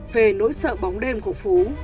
về nỗi sợ bóng đêm của phú